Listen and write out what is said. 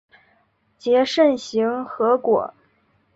结肾形核果。